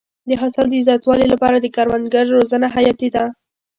د حاصل د زیاتوالي لپاره د کروندګرو روزنه حیاتي ده.